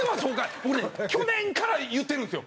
俺、去年から言ってるんですよ。